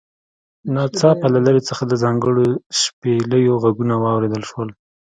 ناڅاپه له لرې څخه د ځانګړو شپېلیو غږونه واوریدل شول